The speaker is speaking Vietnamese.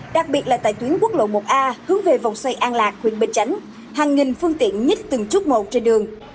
đặc biệt là tại tuyến quốc lộ một a hướng về vòng xoay an lạc huyện bình chánh hàng nghìn phương tiện nhích từng chút một trên đường